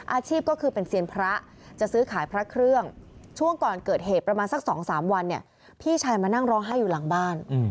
อาชีพก็คือเป็นเซียนพระจะซื้อขายพระเครื่องช่วงก่อนเกิดเหตุประมาณสัก๒๓วันเนี่ยพี่ชายมานั่งร้องไห้อยู่หลังบ้าน